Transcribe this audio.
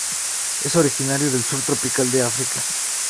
Es originario del sur tropical de África.